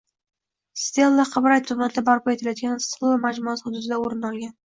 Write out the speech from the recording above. Stella Qibray tumanida barpo etilayotgan “Istiqlol” majmuasi hududidan o‘rin olgan